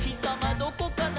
どこかな？」